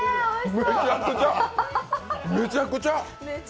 めちゃくちゃ！